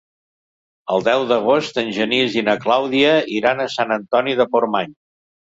El deu d'agost en Genís i na Clàudia iran a Sant Antoni de Portmany.